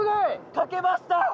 書けました。